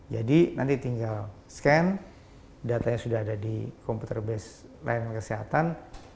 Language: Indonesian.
jadi nanti tinggal scan datanya sudah ada di computer base pelayanan kesehatan